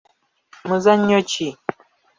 Muzannyo ki?.